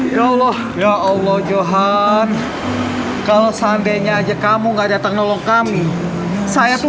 ya allah ya allah johan kalau seandainya aja kamu nggak ada teknologi kami saya tuh